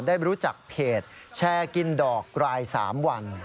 ได้รู้จักเพจแชร์กินดอกราย๓วัน